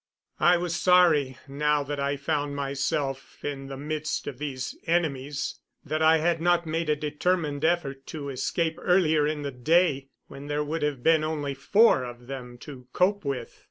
I was sorry, now that I found myself in the midst of these enemies, that I had not made a determined effort to escape earlier in the day, when there would have been only four of them to cope with.